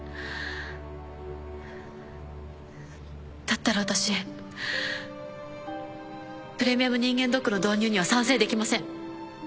だったら私プレミアム人間ドックの導入には賛成できません。